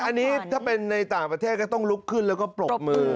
อันนี้ถ้าเป็นในต่างประเทศก็ต้องลุกขึ้นแล้วก็ปรบมือ